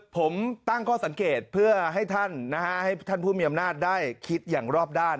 ผมตั้งข้อสังเกตเพื่อให้ท่านนะฮะให้ท่านผู้มีอำนาจได้คิดอย่างรอบด้าน